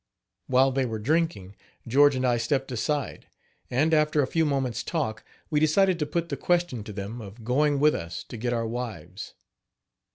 While they were drinking, George and I stepped aside, and, after a few moments talk, we decided to put the question to them of going with us to get our wives.